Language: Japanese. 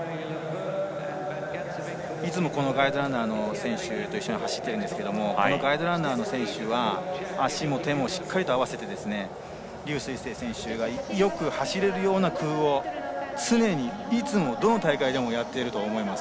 いつもガイドランナーの選手と一緒に走っているんですがこのガイドランナーの選手は足も手もしっかり合わせて劉翠青選手がよく走れるような工夫を常にいつも、どの大会でもやっていると思います。